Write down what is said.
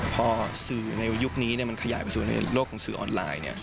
พอยุคนี้ขยายไปสู่โลกของสื่อออนไลน์